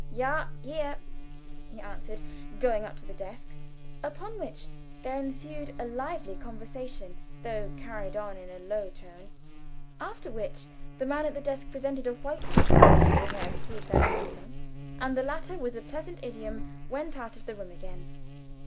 "Ja hier!" he answered, going up to the desk, upon which there ensued a lively conversation, though carried on in a low tone, after which the young man at the desk presented a white card to "Herr Friedhelm Helfen," and the latter, with a pleasant "Adieu," went out of the room again.